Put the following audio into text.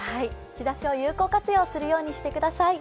日ざしを有効活用するようにしてください。